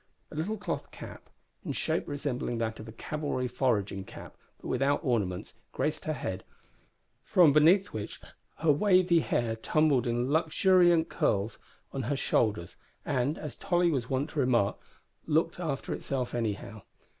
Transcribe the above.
A little cloth cap, in shape resembling that of a cavalry foraging cap, but without ornaments, graced her head, from beneath which her wavy hair tumbled in luxuriant curls on her shoulders, and, as Tolly was wont to remark, looked after itself anyhow.